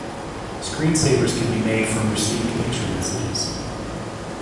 Screensavers can be made from received picture messages.